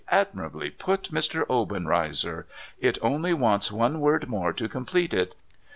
' Admirably put, Mr. Obenreizer ! It only wants one word more to complete it.